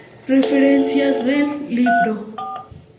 Referencias del libro